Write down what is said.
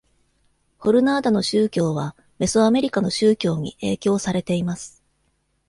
ホルナーダの宗教はメソアメリカの宗教に影響されています。